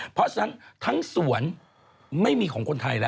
เพราะฉะนั้นทั้งสวนไม่มีของคนไทยแล้ว